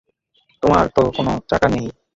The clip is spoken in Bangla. তোমার তো কোনো চাকা নেই!